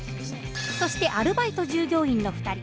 そしてアルバイト従業員の２人。